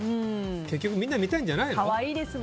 結局みんな見たいんじゃないの？